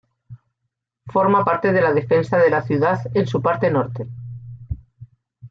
Forma parte de la defensa de la ciudad en su parte norte.